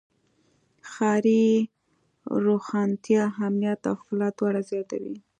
ښاري روښانتیا امنیت او ښکلا دواړه زیاتوي.